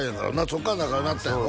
そこから仲良うなったんやろ？